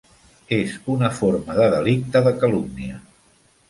És una forma de delicte de calúmnia